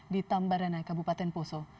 di tambarana kabupaten poso